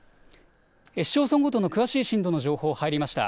市町村ごとの詳しい震度の情報、入りました。